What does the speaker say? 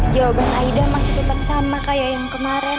jawaban aida masih tetap sama kayak yang kemarin